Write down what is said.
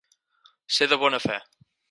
Ser de bona fe.